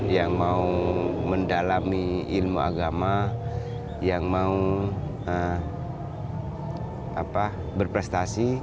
yang mau mendalami ilmu agama yang mau berprestasi